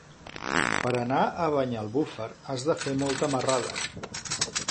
Per anar a Banyalbufar has de fer molta marrada.